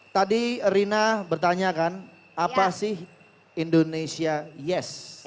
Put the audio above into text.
tadi rina bertanyakan apa sih indonesia yes